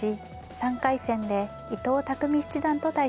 ３回戦で伊藤匠七段と対戦します。